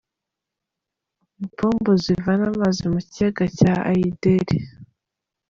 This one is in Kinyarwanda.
Impombo zivana amazi mu kiyaga cya Ayideri.